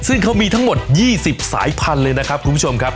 ซึ่งเขามีทั้งหมด๒๐สายพันธุ์เลยนะครับคุณผู้ชมครับ